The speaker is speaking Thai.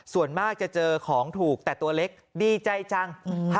ส่วนมากจะเจอของถูกแต่ตัวเล็กดีใจจัง